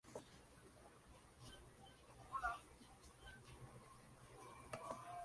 El segundo sencillo fue un cover del tema "Ave María" del español David Bisbal.